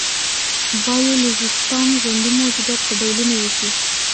بایولوژېسټان ژوندي موجودات په ډولونو وېشي.